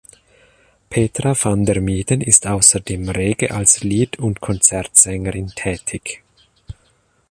Petra van der Mieden ist außerdem rege als Lied- und Konzertsängerin tätig.